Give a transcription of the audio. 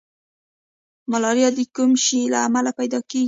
ملاریا د کوم شي له امله پیدا کیږي